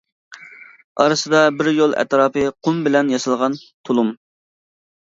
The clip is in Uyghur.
ئارىسىدا بىر يول ئەتراپى قۇم بىلەن ياسالغان تۇلۇم.